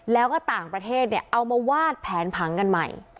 แล้วก็ต่างประเทศเนี่ยเอามาวาดแผนผังกันใหม่